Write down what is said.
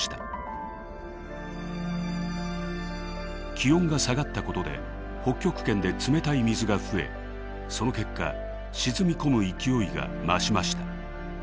気温が下がったことで北極圏で冷たい水が増えその結果沈み込む勢いが増しました。